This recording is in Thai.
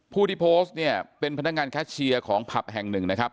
ผู้ที่โพสต์เนี่ยเป็นพนักงานแคชเชียร์ของผับแห่งหนึ่งนะครับ